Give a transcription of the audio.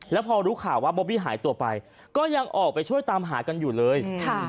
แล้วพอรู้ข่าวว่าบอบบี้หายตัวไปก็ยังออกไปช่วยตามหากันอยู่เลย